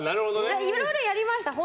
いろいろやりました。